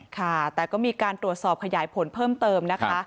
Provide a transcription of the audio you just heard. ค่ะแต่ก็มีการตรวจสอบขยายผลเพิ่มเติมนะคะ